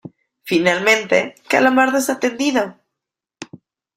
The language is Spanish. Finalmente, Calamardo, es atendido.